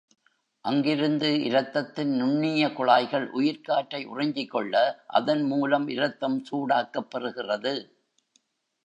அங்கிருந்து இரத்தத்தின் நுண்ணிய குழாய்கள் உயிர்க்காற்றை உறிஞ்சிக் கொள்ள அதன் மூலம் இரத்தம் சூடாக்கப் பெறுகிறது.